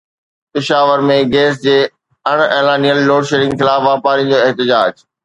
Peshawar ۾ gas جي اڻ اعلانيل لوڊشيڊنگ خلاف واپارين جو احتجاج